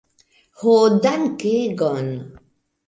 Ho dankegon